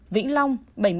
vĩnh long bảy mươi bốn